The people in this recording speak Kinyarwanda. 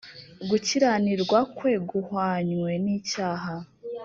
gukiranirwa kwe guhwanywe n icyaha